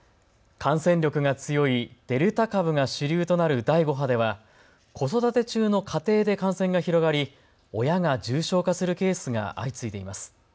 感染力が強いデルタ株が主流となる第５波では、子育て中の家庭で感染が広がり親が重症化するケースが相次いでいます。